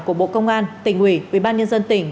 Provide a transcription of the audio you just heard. của bộ công an tỉnh ủy ubnd tỉnh